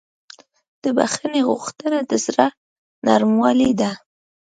د بښنې غوښتنه د زړه نرموالی ده.